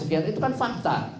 itu kan fakta